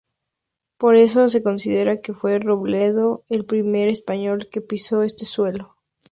Por eso se considera que fue "Robledo" el primer español que pisó este suelo.